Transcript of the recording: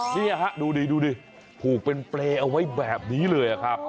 เนี่ยดูดิผูกเป็นเปรตเอาไว้แบบนี้เลยนะครับ